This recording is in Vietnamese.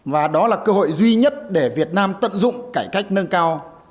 và đó là cơ hội duy nhất để việt nam tận dụng cải cách nâng cao